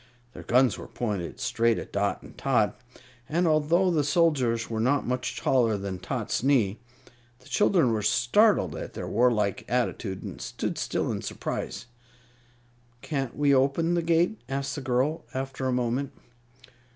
Their guns were pointed straight at Dot and Tot, and although the soldiers were not much taller than Tot's knee, the children were startled at their warlike attitude and stood still in surprise. "Can't we open the gate?" asked the girl, after a moment.